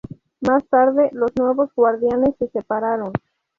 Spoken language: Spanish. Más tarde, los Nuevos Guardianes se separaron.